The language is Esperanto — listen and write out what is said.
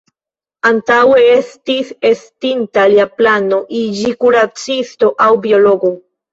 Antaŭe estis estinta lia plano iĝi kuracisto aŭ biologo.